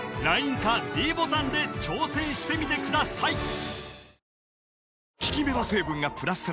ＬＩＮＥかｄボタンで挑戦してみてください